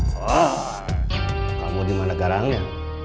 wah kamu dimana sekarang ya